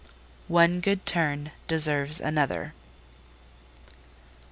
One good turn deserves another.